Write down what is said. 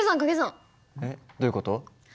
えっどういう事？